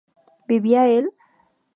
¿vivía él?